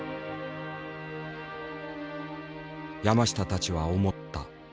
山下たちは思った。